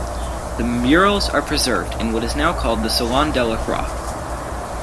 The murals are preserved in what is now called the Salon Delacroix.